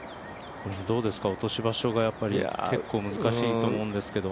落とし場所が結構難しいと思うんですけど。